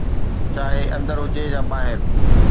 چاهي اندر هجي يا ٻاهر